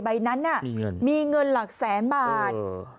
ใบนั้นมีเงินหลักแสนบาท